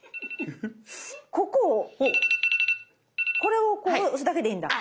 ここをこれをこう押すだけでいいんだ。